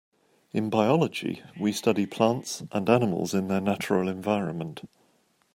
In biology we study plants and animals in their natural environment.